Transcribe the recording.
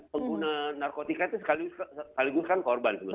pengguna narkotika itu sekaligus kan korban sebenarnya